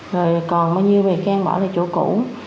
rồi còn bao nhiêu bị can bỏ lại chỗ cũ